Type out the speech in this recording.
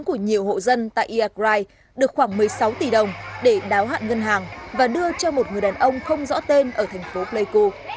cơ quan công an được khoảng một mươi sáu tỷ đồng để đáo hạn ngân hàng và đưa cho một người đàn ông không rõ tên ở thành phố pleiku